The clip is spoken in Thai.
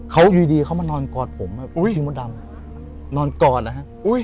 เขาอยู่ดีเขามานอนกอดผมอุ๊ยนอนกอดนะครับอุ๊ย